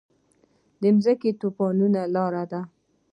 مځکه د طوفانونو لاره ده.